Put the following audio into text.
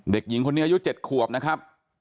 เด็กหญิงคนนี้อายุ๗ขวบนะครับ